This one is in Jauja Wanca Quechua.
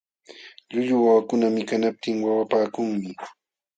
Llullu wawakuna mikanaptin wawapaakunmi.